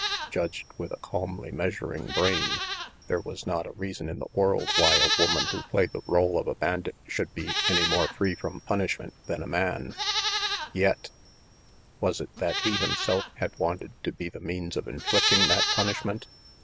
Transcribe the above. Judged with a calmly measuring brain, there was not a reason in the world why a woman who played the role of a bandit should be any more free from punishment than a man; yet Was it that he himself had wanted to be the means of inflicting that punishment?